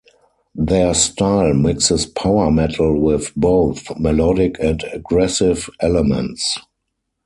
Their style mixes power metal with both melodic and aggressive elements.